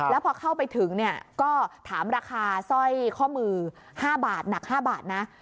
แล้วพอเข้าไปถึงเนี่ยก็ถามราคาสร้อยข้อมือ๕บาทหนัก๕บาทนะ